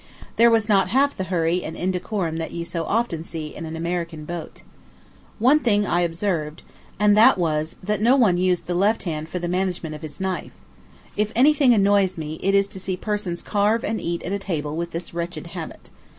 There was not half the hurry and indecorum that you so often see in an American boat. One thing I observed and that was, that no one used the left hand for the management of his knife. If any thing annoys me, it is to see persons carve and eat at table with this wretched habit.